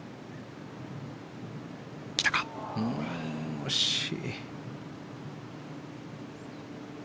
惜しい。